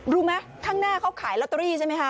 รู้ไหมข้างหน้าเขาขายลอตเตอรี่ใช่ไหมคะ